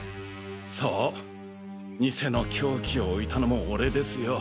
そう偽の凶器を置いたのも俺ですよ。